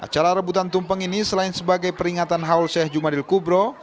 acara rebutan tumpeng ini selain sebagai peringatan haul sheikh jumadil kubro